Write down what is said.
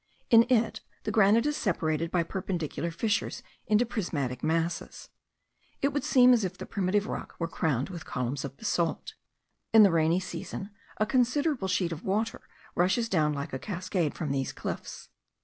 In it the granite is separated by perpendicular fissures into prismatic masses. It would seem as if the primitive rock were crowned with columns of basalt. In the rainy season, a considerable sheet of water rushes down like a cascade from these cliffs.